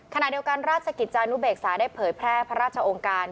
ขณะเดียวกันราชกิจจานุเบกษาได้เผยแพร่พระราชองค์การ